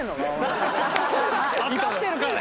わかってるから。